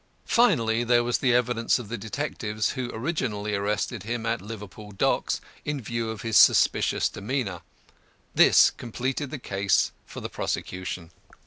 Finally, there was the evidence of the detectives who originally arrested him at Liverpool Docks in view of his suspicious demeanour. This completed the case for the prosecution.